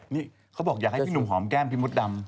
นี่เขาบอกอยากให้พี่หนุ่มหอมแก้มพี่มดดำ